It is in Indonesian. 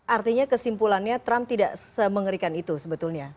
artinya kesimpulannya trump tidak semengerikan itu sebetulnya